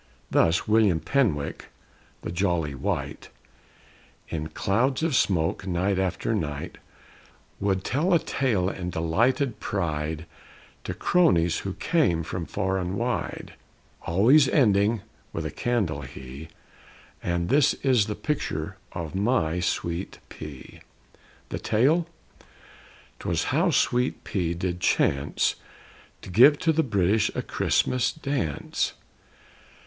Thus, William Penwick, the jolly wight, In clouds of smoke, night after night, Would tell a tale in delighted pride, To cronies, who came from far and wide; Always ending (with candle, he) "And this is the picture of my Sweet P!" The tale? 'Twas how Sweet P did chance To give to the British a Christmas dance.